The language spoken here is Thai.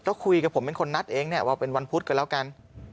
ก็คุยกับผมเป็นคนนัดเองเนี่ยว่าเป็นวันพุธก็แล้วกัน